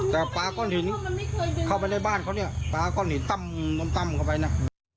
แต่ปลาก้อนหินเข้าไปในบ้านเขาเนี่ยปลาก้อนหินตั้มเข้าไปนะ